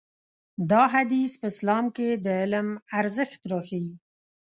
دا حديث په اسلام کې د علم ارزښت راښيي.